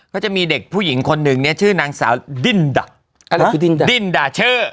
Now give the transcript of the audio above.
ก็จะมีเด็กผู้หญิงคนนึงเนี่ยชื่อนางสาวดินดา